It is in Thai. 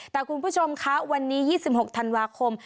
แต่คุณผู้ชมคะวันนี้๒๖ธันวาคม